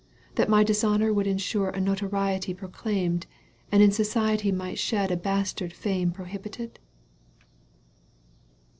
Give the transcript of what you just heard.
— That my dishonour would ensure A notoriety proclaimed. And in society might shed A bastard fame prohibited